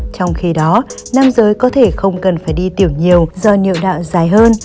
trong khi đó nam giới có thể không cần phải đi tiểu nhiều do niệu đạo dài hơn